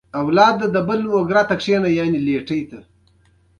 افغانستان د تاریخ لپاره مشهور دی.